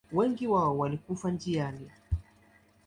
Wengi wao walikufa njiani.